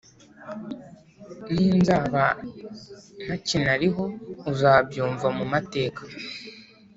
Ni nzaba ntakinariho uzabyumva mu mateka